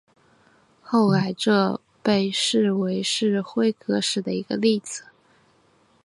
后来这被视为是辉格史的一个例子。